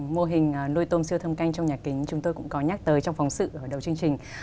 mô hình nuôi tôm siêu thâm canh trong nhà kính chúng tôi cũng có nhắc tới trong phóng sự đầu chương trình